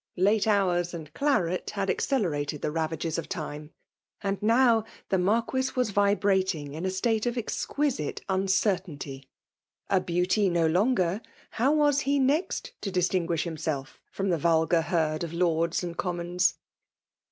Late hours and claret had accelerated the ravages of time ; ami now, the Marquis was vibrating in a state of ezqni* nie ooertaiiity. A faeanty no kmger> — ham wm he nest ia distinguish himself from the vulgar herd of Lords and Commons